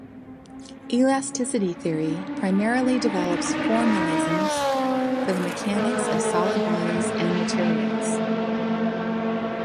Elasticity theory primarily develops formalisms for the mechanics of solid bodies and materials.